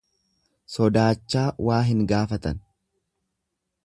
Sodaachaa waa hin gaafatan.